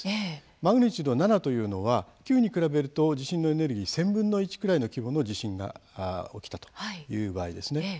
マグニチュード７というのは９に比べると地震のエネルギー１０００分の１くらいの規模の地震が起きたという場合ですね。